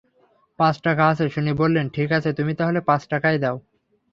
পাঁচ টাকা আছে শুনে বললেন, ঠিক আছে তুমি তাহলে পাঁচ টাকাই দাও।